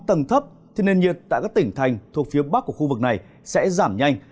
tầng thấp thì nền nhiệt tại các tỉnh thành thuộc phía bắc của khu vực này sẽ giảm nhanh